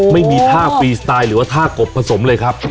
ไม่มีท่าฟรีสไตล์หรือว่าท่ากบผสมเลยครับ